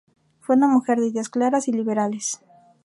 Fue una mujer de ideas claras y liberales.